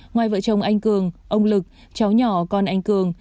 ngoài vợ chồng anh cường ông lực cháu nhỏ con anh cường